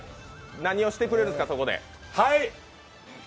何をしてくれるんですかそこで。